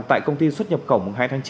tại công ty xuất nhập cổng hai tháng chín